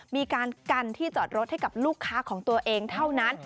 มีการกันที่จอดรถให้กับลูกค้าของตัวเองเท่านั้น